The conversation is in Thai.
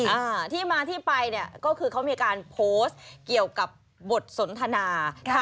อ่าที่มาที่ไปเนี่ยก็คือเขามีการโพสต์เกี่ยวกับบทสนทนาค่ะ